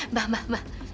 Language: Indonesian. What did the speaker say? mbak mbak mbak